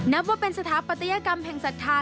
นับว่าเป็นสถาปัตยกรรมแห่งศรัทธา